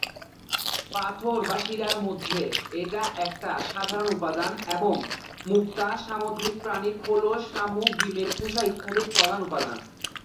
পাথর বা শিলার মধ্যে এটা একটা সাধারণ উপাদান এবং মুক্তা, সামুদ্রিক প্রাণীর খোলস, শামুক, ডিমের খোসা ইত্যাদির প্রধান উপাদান।